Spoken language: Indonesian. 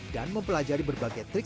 dan mempelajari berbagai trik